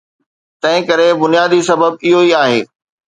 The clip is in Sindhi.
تنهنڪري بنيادي سبب اهو ئي آهي.